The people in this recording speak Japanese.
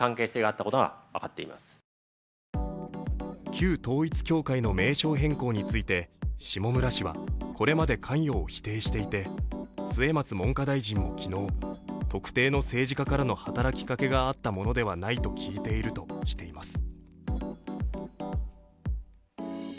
旧統一教会の名称変更について下村氏はこれまで関与を否定していて末松文科大臣も昨日、特定の政治家からの働きかけがあったものではないと聞いているとしています。